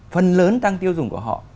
phần lớn tăng tiêu dùng của họ